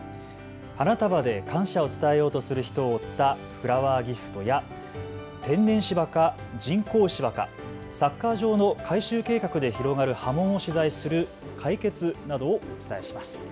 花束で感謝を伝えようとする人を追ったフラワーギフトや天然芝か人工芝か、サッカー場の改修計画で広がる波紋を取材するカイケツなどをお伝えします。